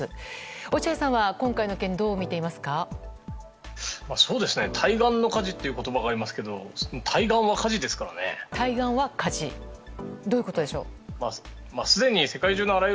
落合さんは今回の件対岸の火事という言葉がありますけど対岸は火事ですからね。